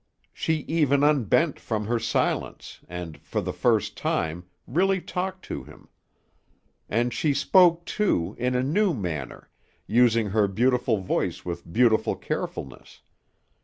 She even unbent from her silence and, for the first time, really talked to him. And she spoke, too, in a new manner, using her beautiful voice with beautiful carefulness.